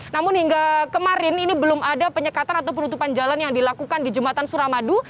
namun hingga kemarin ini belum ada penyekatan atau penutupan jalan yang dilakukan di jembatan suramadu